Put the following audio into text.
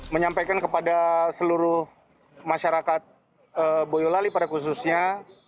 menyampaikan kepada seluruh masyarakat boyolali pada khususnya